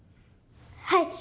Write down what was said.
はい！